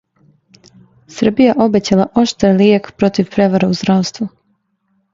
Србија обећала оштар лијек против превара у здравству